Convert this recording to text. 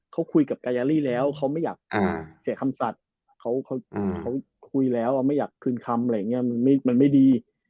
เขาคุยแล้วไม่อยากคืนคำอะไรอย่างเงี้ยมันไม่ดี